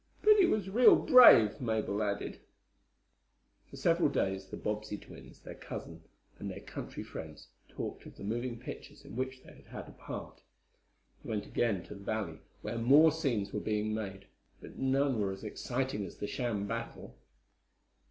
"But he was real brave," Mabel added. For several days the Bobbsey twins, their cousin and their country friends talked of the moving pictures in which they had had a part. They went again to the valley, where more scenes were being made, but none were as exciting as the sham battle.